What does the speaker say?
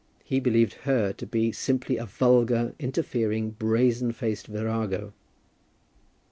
He believed her to be simply a vulgar, interfering, brazen faced virago.